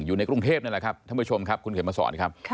อยู่ในกรุงเทพนั่นแหละครับท่านผู้ชมครับคุณเข็มมาสอนครับ